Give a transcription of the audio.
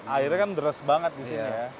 airnya kan deras banget di sini ya